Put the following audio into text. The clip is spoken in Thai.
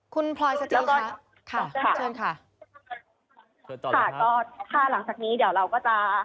คุณพลอยสติค่ะขอเชิญค่ะค่ะค่ะถ้าหลังจากนี้เดี๋ยวเราก็จะ